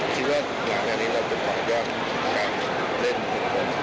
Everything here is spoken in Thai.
คิดว่าอย่างนี้คุณขอเรียกการเล่นของผม